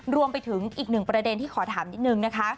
รวมไปถึงอีกหนึ่งประเด็นที่ขอถามนิดนึงนะคะ